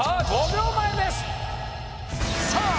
５秒前ですさあ